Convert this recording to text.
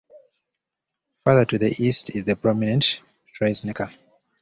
Farther to the east is the prominent Triesnecker.